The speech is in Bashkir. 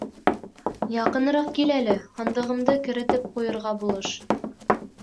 Яҡыныраҡ кил әле, һандығымды керетеп ҡуйырға булыш...